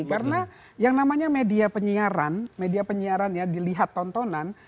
karena yang namanya media penyiaran media penyiarannya dilihat tontonan